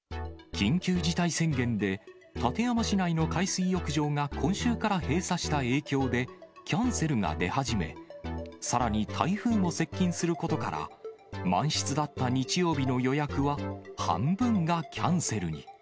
緊急事態宣言で、館山市内の海水浴場が今週から閉鎖した影響で、キャンセルが出始め、さらに台風も接近することから、満室だった日曜日の予約は半分がキャンセルに。